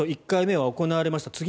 １回目は行われました。